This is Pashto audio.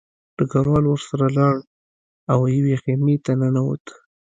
ډګروال ورسره لاړ او یوې خیمې ته ننوت